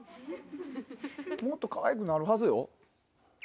もっとかわいくなるはずよ。